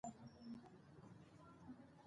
که څټک وي نو میخ نه پاتې کیږي.